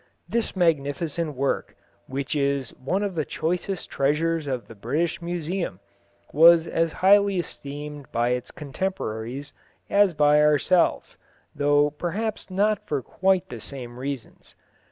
This magnificent work, which is one of the choicest treasures of the British Museum, was as highly esteemed by its contemporaries as by ourselves, though perhaps not for quite the same reasons.